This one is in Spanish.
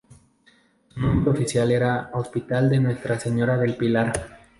Su nombre oficial era hospital de Nuestra Señora del Pilar.